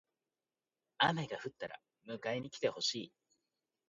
雨が降ったら迎えに来てほしい。